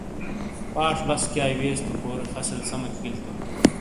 پاش بسکیائی ویئس تو کورے فصل سمیک بِیلی تو